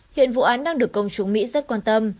hiện vụ án đang được công chúng mỹ rất quan tâm